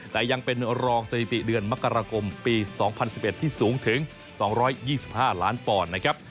แต่ยังเป็นรองสถิติเดือนมกราคมปี๒๐๑๑ที่สูงถึง๒๒๕ล้านปอนด์นะครับ